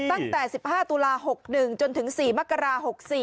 ตั้งแต่๑๕ตุลา๖๑จนถึง๔มกรา๖๔